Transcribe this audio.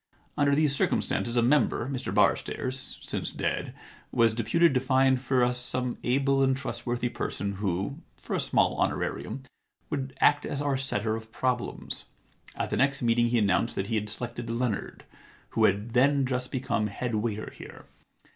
Under these circumstances a member, Mr Barstairs, since dead, was deputed to find for us some able and trustworthy person who, for a small honorarium, would act as our setter of problems. At the next meeting he announced that he had selected Leonard, who had then just become head waiter here.